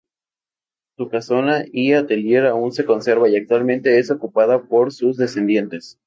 Su casona y atelier aún se conserva y actualmente es ocupada por sus descendientes.